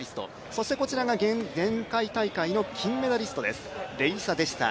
そして、前回大会の金メダリストですレリサ・デシサ。